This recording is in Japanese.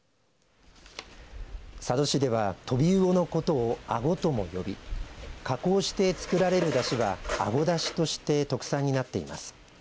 佐渡市では、トビウオのことをあごとも呼び加工して作られるだしはあごだしとして特産になっています。